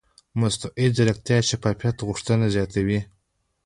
مصنوعي ځیرکتیا د شفافیت غوښتنه زیاتوي.